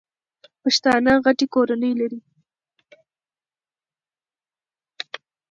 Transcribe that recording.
پښتانه غټي کورنۍ لري.